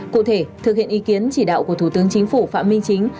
cụ thể thực hiện ý kiến chỉ đạo của thủ tướng chính phủ phạm minh chính